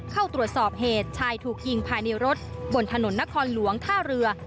เข้าตรวจสอบเหตุชายถูกยิงภายในรถบนถนนนครหลวงท่าเรือ